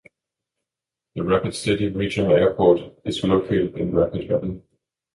The Rapid City Regional Airport is located in Rapid Valley.